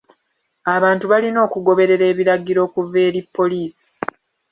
Abantu balina okugoberera ebiragiro okuva eri poliisi.